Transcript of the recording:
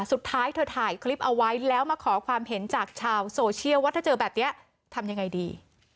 สุดท้ายเธอถ่ายคลิปเอาไว้แล้วมาขอความเห็นจากชาวโซเชียลว่าถ้าเจอแบบนี้ทำยังไงดี